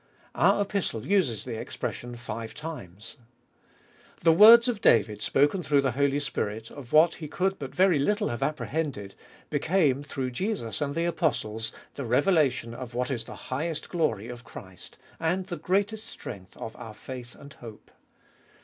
Our Epistle uses the expression five times (see Ref.). The words of David spoken through the Holy Spirit of what he could but very little have apprehended, became, through Jesus and the apostles, the revelation of what is the highest glory of Christ, and the greatest strength of our faith and hope.